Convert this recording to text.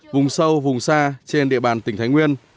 vùng sâu vùng xa trên địa bàn tỉnh thái nguyên